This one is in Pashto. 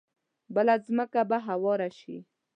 بله ځمکه به هواره شي.